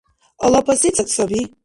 Алапа сецад саби?